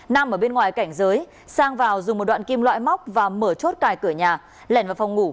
nam ở bên ngoài cảnh giới sang vào dùng một đoạn kim loại móc và mở chốt cài cửa nhà lẻn vào phòng ngủ